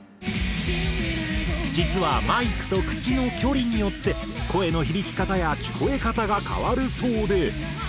実はマイクと口の距離によって声の響き方や聴こえ方が変わるそうで。